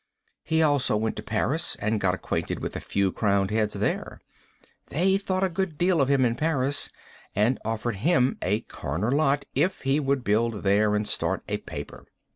He also went to Paris and got acquainted with a few crowned heads there. They thought a good deal of him in Paris, and offered him a corner lot if he would build there and start a paper.